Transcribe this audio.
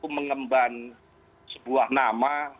mengembangkan sebuah nama